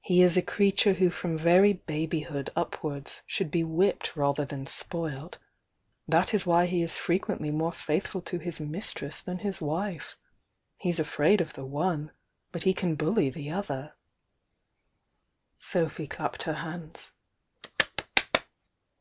He is a creature who from Mry babyhood upwards should be whipped rather than spoilt. That is why he is frequently more faithful to his mistress than his wife. He's afraid of the one, but he can bully the other." Sophy clapped her hands.